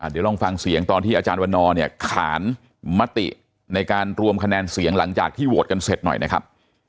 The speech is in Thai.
เดี๋ยวลองฟังเสียงตอนที่อาจารย์วันนอร์เนี่ยขานมติในการรวมคะแนนเสียงหลังจากที่โหวตกันเสร็จหน่อยนะครับ